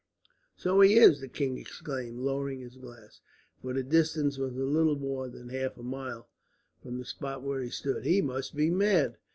"So he is!" the king exclaimed, lowering his glass, for the distance was little more than half a mile from the spot where he stood. "He must be mad."